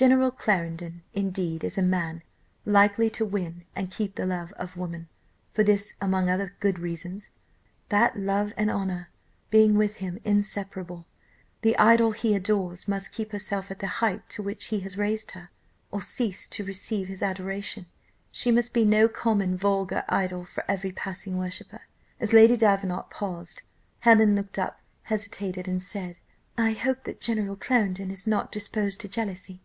General Clarendon, indeed, is a man likely to win and keep the love of woman, for this, among other good reasons, that love and honour being with him inseparable, the idol he adores must keep herself at the height to which he has raised her, or cease to receive his adoration. She must be no common vulgar idol for every passing worshipper." As Lady Davenant paused, Helen looked up, hesitated, and said: "I hope that General Clarendon is not disposed to jealousy."